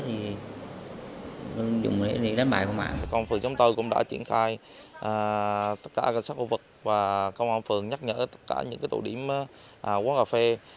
tất cả cảnh sát khu vực và công an phường nhắc nhở tất cả những cái tổ điểm quán cà phê